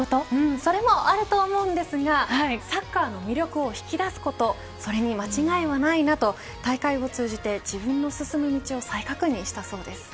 それもあると思うんですがサッカーの魅力を引き出すことそれに間違いはないなと大会を通じて自分の進む道を再確認したそうです。